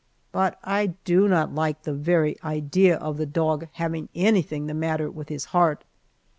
But I do not like the very idea of the dog having anything the matter with his heart.